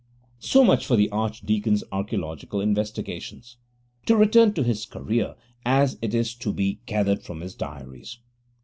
So much for the archdeacon's archaeological investigations. To return to his career as it is to be gathered from his diaries.